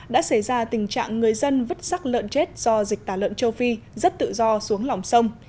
đã xảy ra tình trạng người dân vứt sắc lợn chết do dịch tả lợn châu phi rất tự do xuống lòng sông